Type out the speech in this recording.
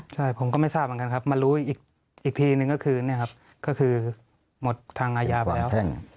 ใช่ผมก็ไม่ทราบเหมือนกันครับมารู้อีกทีหนึ่งก็คือหมดทางอายาไปแล้ว